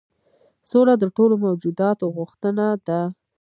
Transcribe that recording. سوله د ټولو موجوداتو غوښتنه ده.